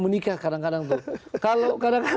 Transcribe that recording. menikah kadang kadang tuh kalau kadang kadang